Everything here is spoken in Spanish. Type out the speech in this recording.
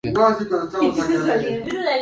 Su territorio es fronterizo con Togo.